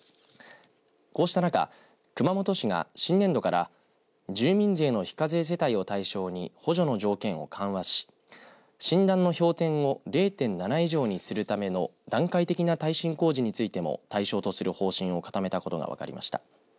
こうした中、熊本市が新年度から住民税の非課税世帯を対象に補助の条件を緩和し診断の評点を０．７以上にするための段階的な耐震工事についても対象とする方針を固めたことが分かりました。